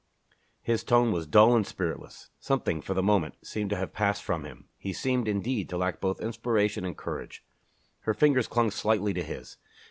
His tone was dull and spiritless. Something, for the moment, seemed to have passed from him. He seemed, indeed, to lack both inspiration and courage. Her fingers clung slightly to his.